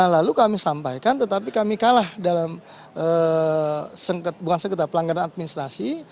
lalu kami sampaikan tetapi kami kalah dalam pelanggaran administrasi